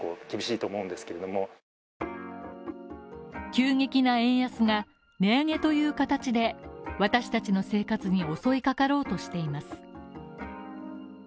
急激な円安が値上げという形で私達の生活に襲いかかろうとしています。